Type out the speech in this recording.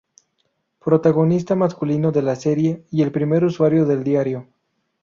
Protagonista masculino de la serie y el primer usuario del diario.